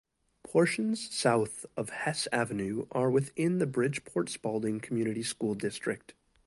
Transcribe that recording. Portions south of Hess Avenue are within the Bridgeport-Spaulding Community School District.